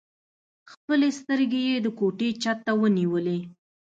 خپلې سترګې يې د کوټې چت ته ونيولې.